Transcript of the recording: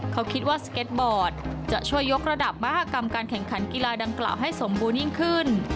เขาคิดว่าสเก็ตบอร์ดจะช่วยยกระดับมหากรรมการแข่งขันกีฬาดังกล่าวให้สมบูรณยิ่งขึ้น